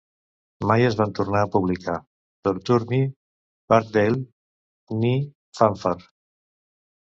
Mai es van tornar a publicar "Torture Me", "Parkdale" ni "Fanfare".